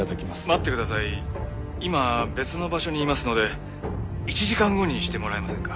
「待ってください」「今別の場所にいますので１時間後にしてもらえませんか？」